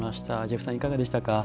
ジェフさん、いかがでしたか？